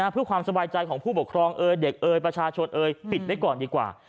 เพื่อความสบายใจของผู้ปกครองเอยเด็กเอ่ยประชาชนเอ่ยปิดได้ก่อนดีกว่า